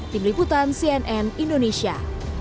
tim liputan cnn indonesia